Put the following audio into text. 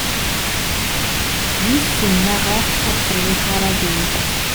Wissen maɣef ur telli ara din.